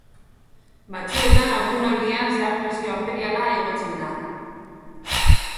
Batzuetan haurdunaldian zehar presio arteriala igotzen da.